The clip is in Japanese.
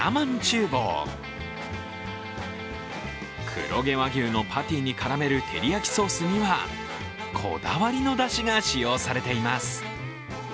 黒毛和牛のパティに絡めるテリヤキソースにはこだわりのだしが使用されています。